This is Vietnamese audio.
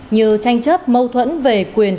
như tranh chấp mâu thuẫn về quyền